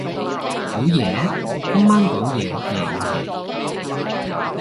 好夜？今晚講嘢夜唔夜？